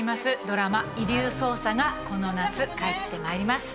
ドラマ『遺留捜査』がこの夏帰って参ります。